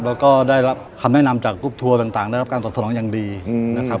แล้วก็ได้รับคำแนะนำจากกรุ๊ปทัวร์ต่างได้รับการตอบสนองอย่างดีนะครับ